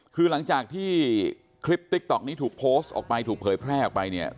คือหลังจากที่คลิปติ๊กต๊อกนี้ถูกโพสต์ออกไปถูกเผยแพร่ออกไปเนี่ย